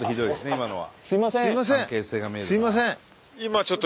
今のは。